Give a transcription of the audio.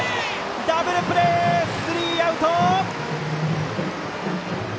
ダブルプレーでスリーアウト！